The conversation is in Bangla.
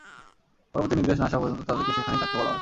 পরবর্তী নির্দেশ না আসা পর্যন্ত তাদেরকে সেখানেই থাকতে বলা হয়।